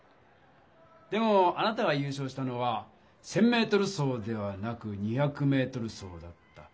でもあなたが優勝したのは１０００ｍ走ではなく２００ｍ走だった。